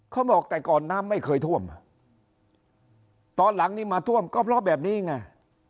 เขาบอกแต่ก่อนน้ำไม่เคยท่วมอ่ะตอนหลังนี้มาท่วมก็เพราะแบบนี้ไง